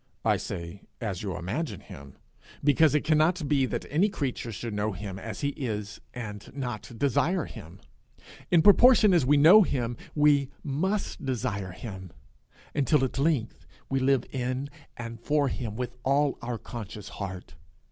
I say as you imagine him, because it cannot be that any creature should know him as he is and not desire him. In proportion as we know him we must desire him, until at length we live in and for him with all our conscious heart.